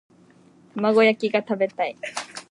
玉子焼きが食べたい